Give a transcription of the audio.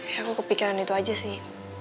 aku kepikiran itu aja sih